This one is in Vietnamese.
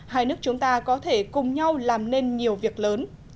hai nước chúng ta có thể cùng nhau làm nên nhiều việc lớn